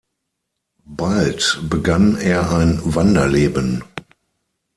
Bald begann er ein Wanderleben.